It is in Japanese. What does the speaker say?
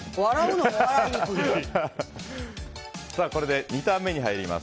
これで２ターン目に入ります。